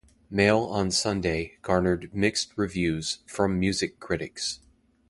"Mail on Sunday" garnered mixed reviews from music critics.